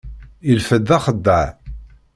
Yelfa-d d axeddaɛ.